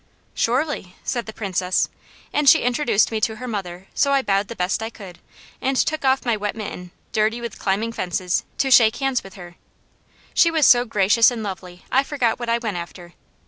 "Surely!" said the Princess, and she introduced me to her mother, so I bowed the best I knew, and took off my wet mitten, dirty with climbing fences, to shake hands with her. She was so gracious and lovely I forgot what I went after.